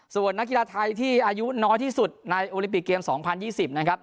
ส่วนนักกีฬาไทยที่อายุน้อยที่สุดในโอลิปิกเกม๒๐๒๐นะครับ